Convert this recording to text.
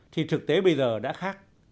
thì thực tế bây giờ đã khác